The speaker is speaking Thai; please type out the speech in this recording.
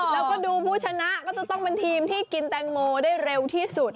แล้วก็ดูผู้ชนะก็จะต้องเป็นทีมที่กินแตงโมได้เร็วที่สุด